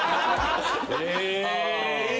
え！